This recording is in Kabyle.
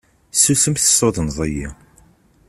Susem tessudneḍ-iyi.